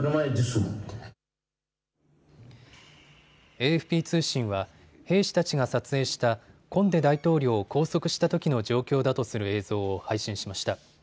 ＡＦＰ通信は兵士たちが撮影したコンデ大統領を拘束したときの状況だとする映像を配信しました。